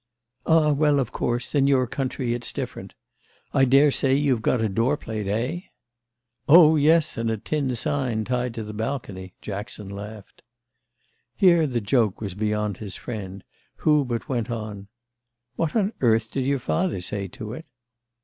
"Ah well, of course in your country it's different. I daresay you've got a door plate, eh?" "Oh yes, and a tin sign tied to the balcony!" Jackson laughed. Here the joke was beyond his friend, who but went on: "What on earth did your father say to it?"